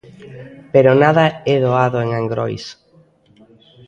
Pero nada é doado en Angrois.